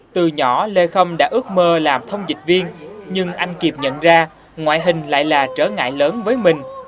từ nhỏ lê khâm đã ước mơ làm thông dịch viên nhưng anh kịp nhận ra ngoại hình lại là trở ngại lớn với mình